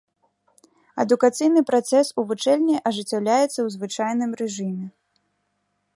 Адукацыйны працэс у вучэльні ажыццяўляецца ў звычайным рэжыме.